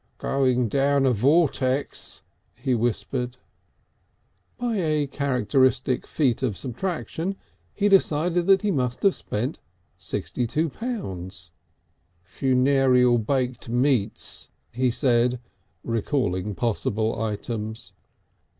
"Going down a vortex!" he whispered. By a characteristic feat of subtraction he decided that he must have spent sixty two pounds. "Funererial baked meats," he said, recalling possible items.